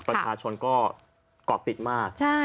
ประชาชนก็กล่อติดมาก